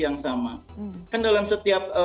yang sama kan dalam setiap